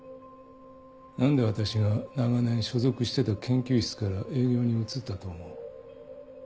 何で私が長年所属してた研究室から営業に移ったと思う？